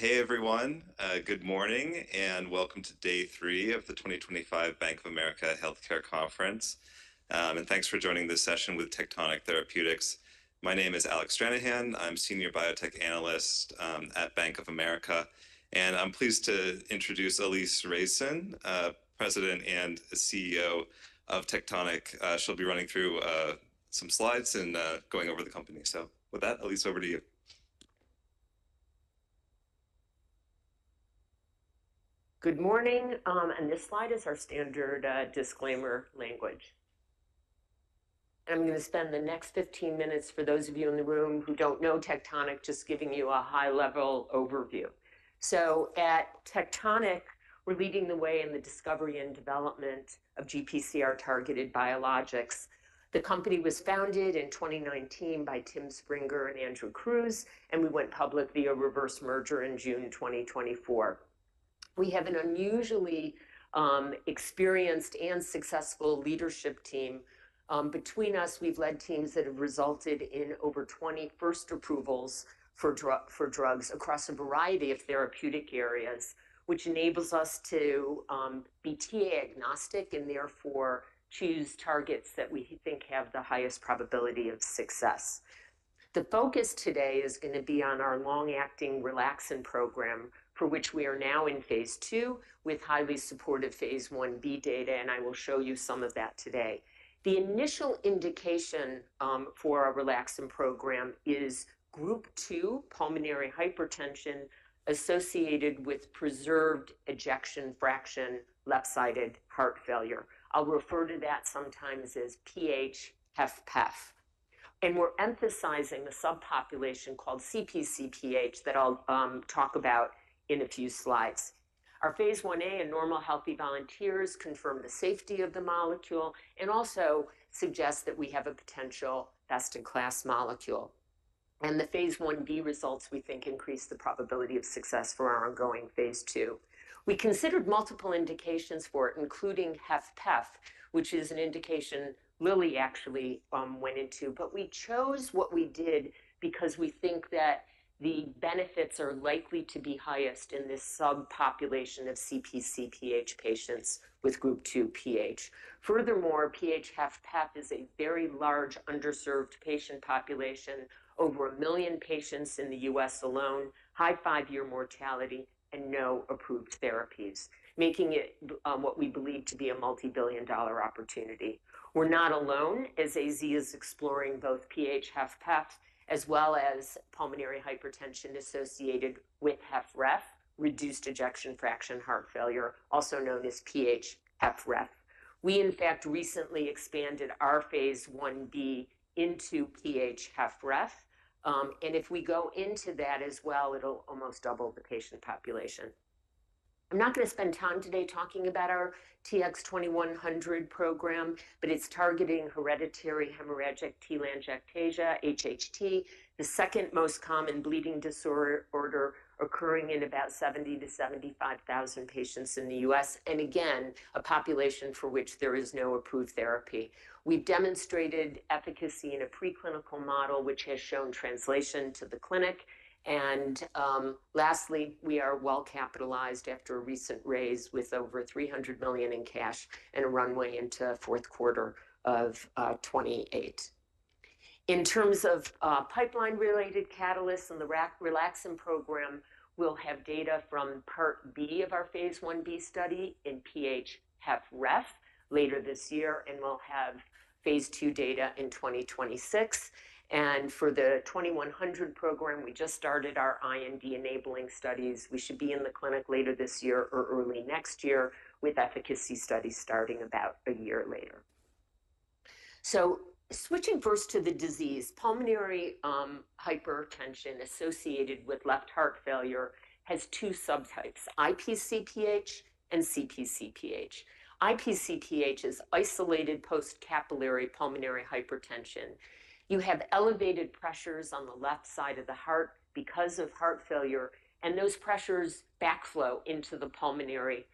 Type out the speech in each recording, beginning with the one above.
Hey, everyone. Good morning and welcome to day three of the 2025 Bank of America Healthcare Conference. Thanks for joining this session with Tectonic Therapeutic. My name is Alex Stranahan. I'm Senior Biotech Analyst at Bank of America, and I'm pleased to introduce Alise Reicin, President and CEO of Tectonic. She'll be running through some slides and going over the company. With that, Alise, over to you. Good morning. This slide is our standard disclaimer language. I'm going to spend the next 15 minutes for those of you in the room who don't know Tectonic, just giving you a high-level overview. At Tectonic, we're leading the way in the discovery and development of GPCR-targeted biologics. The company was founded in 2019 by Tim Springer and Andrew Kruse, and we went public via reverse merger in June 2024. We have an unusually experienced and successful leadership team. Between us, we've led teams that have resulted in over 20 first approvals for drugs across a variety of therapeutic areas, which enables us to be TA-agnostic and therefore choose targets that we think have the highest probability of success. The focus today is going to be on our long-acting relaxin program, for which we are now in phase II with highly supportive phase I-B data, and I will show you some of that today. The initial indication for our relaxin program is group 2 pulmonary hypertension associated with preserved ejection fraction left-sided heart failure. I'll refer to that sometimes as PH-HFpEF. We are emphasizing a subpopulation called CPCPH that I'll talk about in a few slides. Our phase I-A in normal healthy volunteers confirmed the safety of the molecule and also suggests that we have a potential best-in-class molecule. The phase I-B results we think increase the probability of success for our ongoing phase II. We considered multiple indications for it, including HFpEF, which is an indication Lilly actually went into, but we chose what we did because we think that the benefits are likely to be highest in this subpopulation of CPCPH patients with group 2 PH. Furthermore, PH-HFpEF is a very large underserved patient population, over a million patients in the U.S. alone, high five-year mortality, and no approved therapies, making it what we believe to be a multi-billion dollar opportunity. We're not alone as AstraZeneca is exploring both PH-HFpEF as well as pulmonary hypertension associated with HFrEF, reduced ejection fraction heart failure, also known as PH-HFrEF. We, in fact, recently expanded our phase I-B into PH-HFrEF. If we go into that as well, it'll almost double the patient population. I'm not going to spend time today talking about our TX-2100 program, but it's targeting hereditary hemorrhagic telangiectasia, HHT, the second most common bleeding disorder occurring in about 70,000-75,000 patients in the U.S., and again, a population for which there is no approved therapy. We've demonstrated efficacy in a preclinical model, which has shown translation to the clinic. Lastly, we are well capitalized after a recent raise with over $300 million in cash and a runway into fourth quarter of 2028. In terms of pipeline-related catalysts and the relaxin program, we'll have data from part B of our phase I-B study in PH-HFrEF later this year, and we'll have phase II data in 2026. For the 2100 program, we just started our IND-enabling studies. We should be in the clinic later this year or early next year with efficacy studies starting about a year later. Switching first to the disease, pulmonary hypertension associated with left heart failure has two subtypes: IPCPH and CPCPH. IPCPH is isolated post-capillary pulmonary hypertension. You have elevated pressures on the left side of the heart because of heart failure, and those pressures backflow into the pulmonary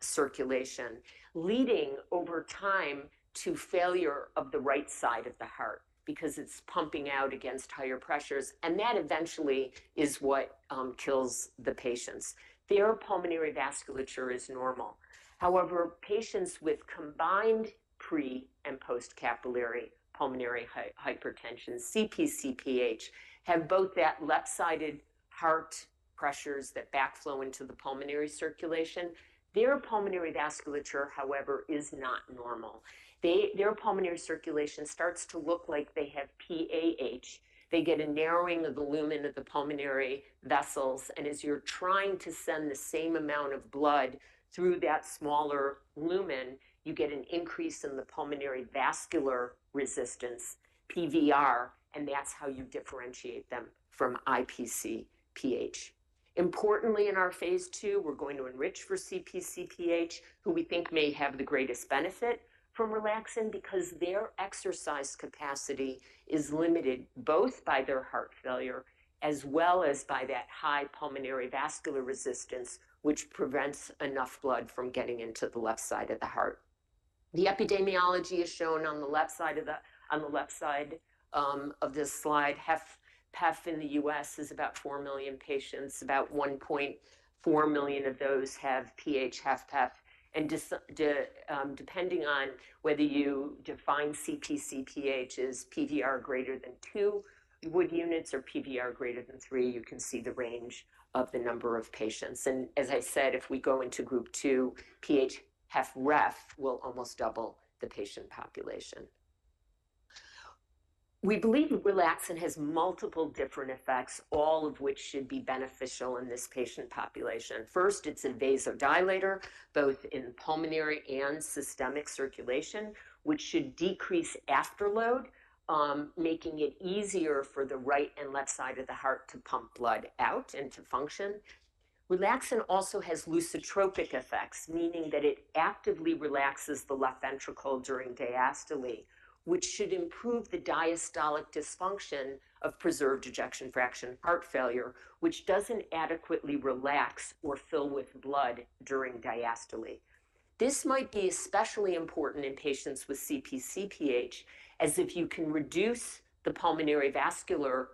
circulation, leading over time to failure of the right side of the heart because it is pumping out against higher pressures, and that eventually is what kills the patients. Their pulmonary vasculature is normal. However, patients with combined pre- and post-capillary pulmonary hypertension, CPCPH, have both that left-sided heart pressures that backflow into the pulmonary circulation. Their pulmonary vasculature, however, is not normal. Their pulmonary circulation starts to look like they have PAH. They get a narrowing of the lumen of the pulmonary vessels, and as you're trying to send the same amount of blood through that smaller lumen, you get an increase in the pulmonary vascular resistance, PVR, and that's how you differentiate them from IPCPH. Importantly, in our phase II, we're going to enrich for CPCPH, who we think may have the greatest benefit from relaxin because their exercise capacity is limited both by their heart failure as well as by that high pulmonary vascular resistance, which prevents enough blood from getting into the left side of the heart. The epidemiology is shown on the left side of this slide. HFpEF in the U.S. is about 4 million patients. About 1.4 million of those have PH-HFpEF. Depending on whether you define CPCPH as PVR greater than two wood units or PVR greater than three, you can see the range of the number of patients. As I said, if we go into group two, PH-HFrEF will almost double the patient population. We believe relaxin has multiple different effects, all of which should be beneficial in this patient population. First, it is a vasodilator, both in pulmonary and systemic circulation, which should decrease afterload, making it easier for the right and left side of the heart to pump blood out and to function. relaxin also has lusitropic effects, meaning that it actively relaxes the left ventricle during diastole, which should improve the diastolic dysfunction of preserved ejection fraction heart failure, which does not adequately relax or fill with blood during diastole. This might be especially important in patients with CPCPH, as if you can reduce the pulmonary vascular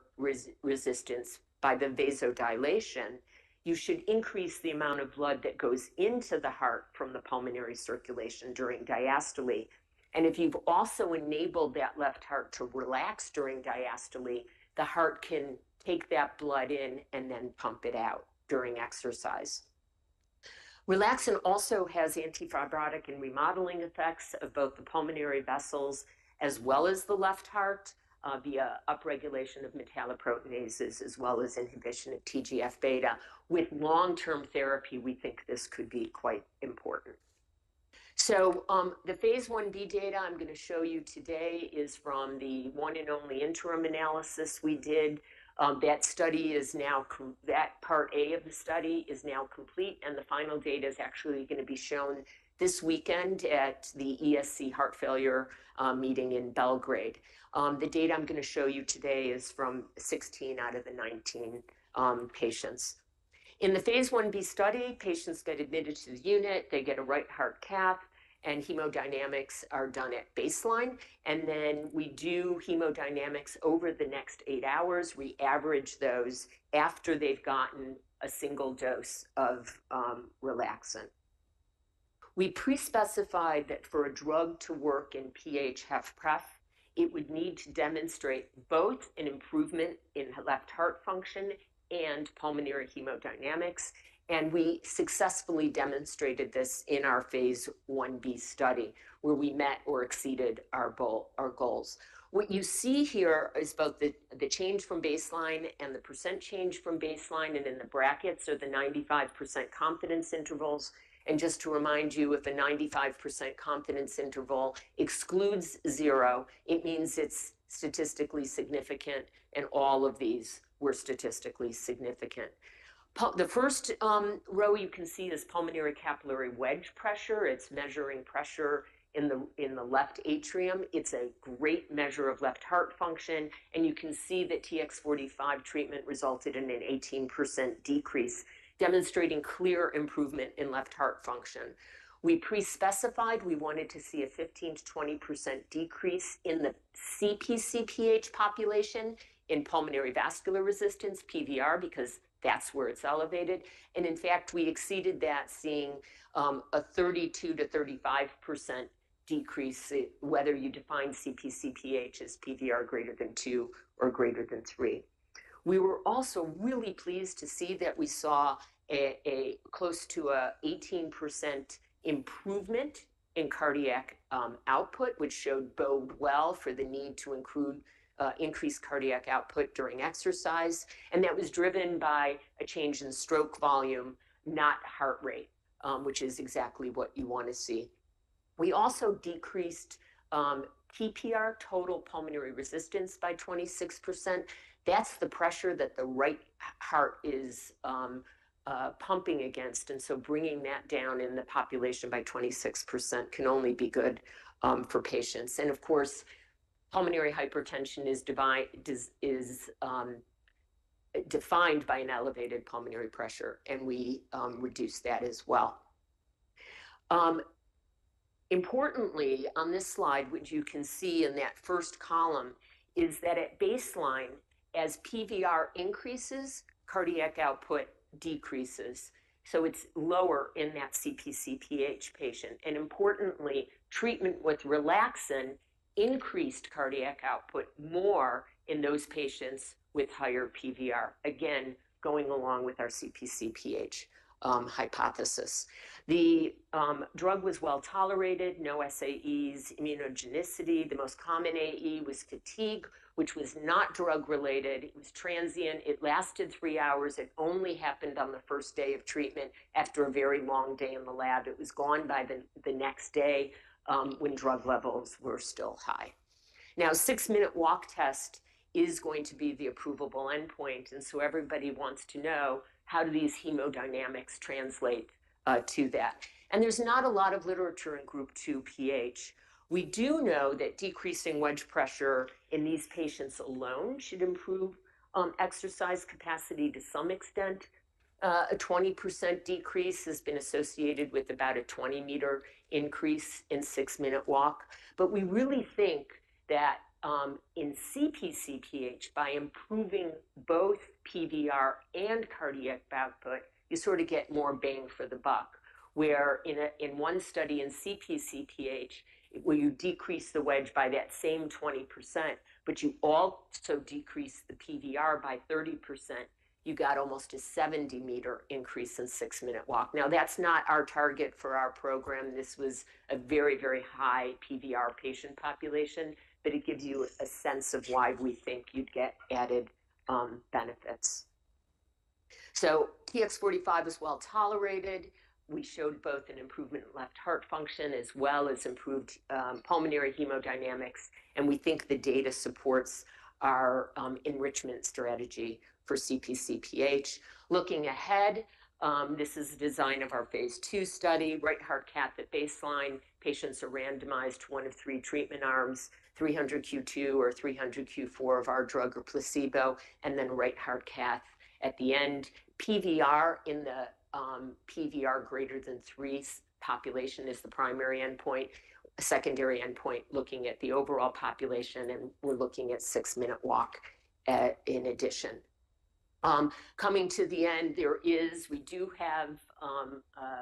resistance by the vasodilation, you should increase the amount of blood that goes into the heart from the pulmonary circulation during diastole. If you've also enabled that left heart to relax during diastole, the heart can take that blood in and then pump it out during exercise. relaxin also has antifibrotic and remodeling effects of both the pulmonary vessels as well as the left heart via upregulation of metalloproteases as well as inhibition of TGF-β. With long-term therapy, we think this could be quite important. The phase I-B data I'm going to show you today is from the one and only interim analysis we did. That study is now, that part A of the study is now complete, and the final data is actually going to be shown this weekend at the ESC Heart Failure Meeting in Belgrade. The data I'm going to show you today is from 16 out of the 19 patients. In the phase I-B study, patients get admitted to the unit, they get a right-heart cath, and hemodynamics are done at baseline. We do hemodynamics over the next eight hours. We average those after they've gotten a single dose of relaxin. We pre-specified that for a drug to work in PH-HFpEF, it would need to demonstrate both an improvement in left heart function and pulmonary hemodynamics. We successfully demonstrated this in our phase I-B study where we met or exceeded our goals. What you see here is both the change from baseline and the % change from baseline, and in the brackets are the 95% confidence intervals. Just to remind you, if a 95% confidence interval excludes zero, it means it's statistically significant, and all of these were statistically significant. The first row you can see is pulmonary capillary wedge pressure. It's measuring pressure in the left atrium. It's a great measure of left heart function, and you can see that TX45 treatment resulted in an 18% decrease, demonstrating clear improvement in left heart function. We pre-specified we wanted to see a 15%-20% decrease in the CPCPH population in pulmonary vascular resistance, PVR, because that's where it's elevated. In fact, we exceeded that, seeing a 32%-35% decrease whether you define CPCPH as PVR greater than two or greater than three. We were also really pleased to see that we saw close to an 18% improvement in cardiac output, which should bode well for the need to include increased cardiac output during exercise. That was driven by a change in stroke volume, not heart rate, which is exactly what you want to see. We also decreased TPR, total pulmonary resistance, by 26%. That is the pressure that the right heart is pumping against. Bringing that down in the population by 26% can only be good for patients. Of course, pulmonary hypertension is defined by an elevated pulmonary pressure, and we reduced that as well. Importantly, on this slide, what you can see in that first column is that at baseline, as PVR increases, cardiac output decreases. It is lower in that CPCPH patient. Importantly, treatment with relaxin increased cardiac output more in those patients with higher PVR, again, going along with our CPCPH hypothesis. The drug was well tolerated, no SAEs, immunogenicity. The most common AE was fatigue, which was not drug-related. It was transient. It lasted three hours. It only happened on the first day of treatment after a very long day in the lab. It was gone by the next day when drug levels were still high. 6MWT is going to be the approval endpoint, and so everybody wants to know how do these hemodynamics translate to that. There is not a lot of literature in group 2 PH. We do know that decreasing wedge pressure in these patients alone should improve exercise capacity to some extent. A 20% decrease has been associated with about a 20-meter increase in 6MWT. We really think that in CPCPH, by improving both PVR and cardiac output, you sort of get more bang for the buck. Where in one study in CPCPH, where you decrease the wedge by that same 20%, but you also decrease the PVR by 30%, you got almost a 70-meter increase in 6MWT. Now, that's not our target for our program. This was a very, very high PVR patient population, but it gives you a sense of why we think you'd get added benefits. TX45 is well tolerated. We showed both an improvement in left heart function as well as improved pulmonary hemodynamics, and we think the data supports our enrichment strategy for CPCPH. Looking ahead, this is the design of our phase II study, right-heart cath at baseline. Patients are randomized to one of three treatment arms, 300 Q2 or 300 Q4 of our drug or placebo, and then right-heart cath at the end. PVR in the PVR greater than three population is the primary endpoint, a secondary endpoint looking at the overall population, and we're looking at 6MWT in addition. Coming to the end, there is we do have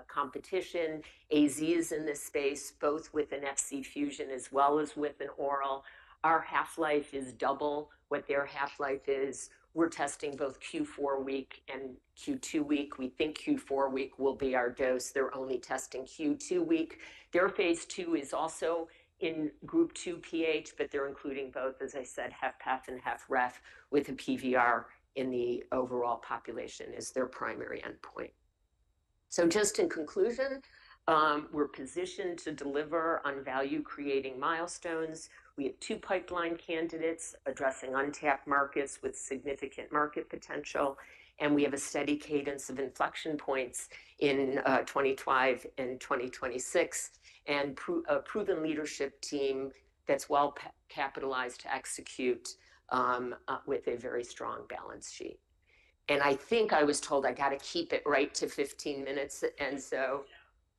competition. AstraZeneca is in this space, both with an Fc fusion as well as with an oral. Our half-life is double what their half-life is. We're testing both Q4 week and Q2 week. We think Q4 week will be our dose. They're only testing Q2 week. Their phase II is also in group 2 PH, but they're including both, as I said, HFpEF and HFrEF with a PVR in the overall population as their primary endpoint. Just in conclusion, we're positioned to deliver on value-creating milestones. We have two pipeline candidates addressing untapped markets with significant market potential, and we have a steady cadence of inflection points in 2025 and 2026 and a proven leadership team that's well capitalized to execute with a very strong balance sheet. I think I was told I got to keep it right to 15 minutes, and so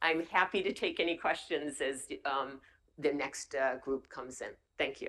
I'm happy to take any questions as the next group comes in. Thank you.